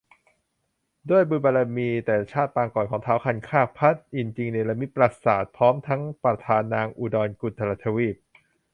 ด้วยบุญบารมีแต่ชาติปางก่อนของท้าวคันคาก พระอินทร์จึงเนรมิตปราสาทพร้อมทั้งประทานนางอุดรกุรุทวีป